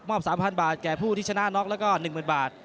มอบสามพันบาทแก่ผู้ที่ชนะน็อกแล้วก็หนึ่งหมื่นบาท